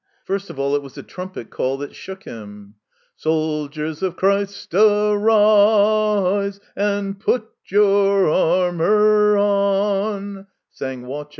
First of all it was a trumpet call that shook him. " Sold ier ers o of Christ I a arise, And put your armor on," sang Wauchope.